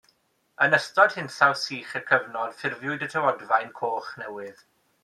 Yn ystod hinsawdd sych y cyfnod ffurfiwyd y Tywodfaen Coch Newydd.